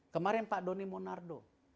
kemarin pak doni monardo